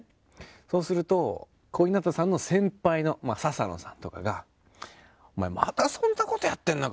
そうすると小日向さんの先輩の笹野さんとかがお前またそんなことやってんのか！